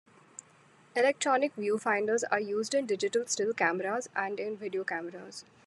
Electronic viewfinders are used in digital still cameras and in video cameras.